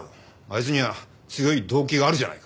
あいつには強い動機があるじゃないか。